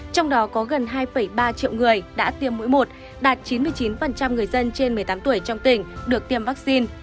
trong đó có gần hai ba triệu người đã tiêm mũi một đạt chín mươi chín người dân trên một mươi tám tuổi trong tỉnh được tiêm vaccine